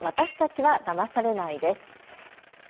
私たちはだまされないです。